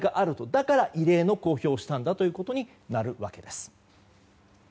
だから異例の公表をしたんだということになるわけです。